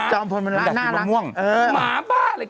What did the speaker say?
จอมพลมันน่ารักหมาบ้า